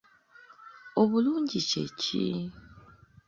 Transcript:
Obulungi kye ki?